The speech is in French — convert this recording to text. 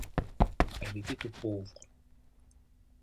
Elle était aux pauvres.